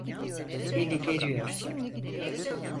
Beni geriyorsun.